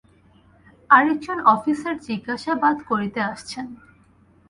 আরেকজন অফিসার জিজ্ঞাসাবাদ করতে আসছেন।